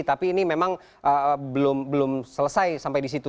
tapi ini memang belum selesai sampai di situ